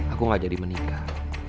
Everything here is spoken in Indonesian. aku gak jadi menikah